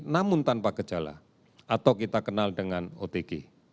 namun tanpa gejala atau kita kenal dengan otg